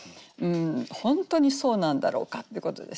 「本当にそうなんだろうか？」ってことですね。